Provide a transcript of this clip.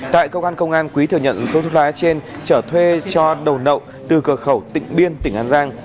tại cơ quan công an quý thừa nhận số thuốc lá trên trở thuê cho đầu nậu từ cửa khẩu tỉnh biên tỉnh an giang